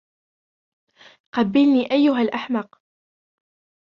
قبّلني ايها الأحمق.